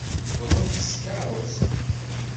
Wwḍen-d s tkeṛṛust.